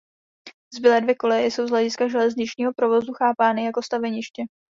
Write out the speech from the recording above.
Zbylé dvě koleje jsou z hlediska železničního provozu chápány jako staveniště.